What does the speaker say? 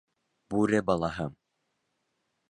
Бүре балаһы